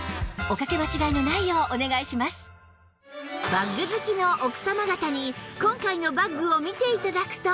バッグ好きの奥様方に今回のバッグを見て頂くと